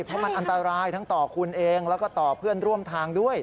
เพราะมันอันตรายทั้งต่อคุณเองแล้วก็ต่อเพื่อนร่วมทางด้วย